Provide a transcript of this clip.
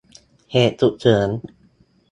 เหตุฉุกเฉิน